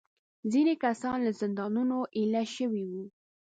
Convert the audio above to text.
ځینې کسان له زندانونو ایله شوي وو.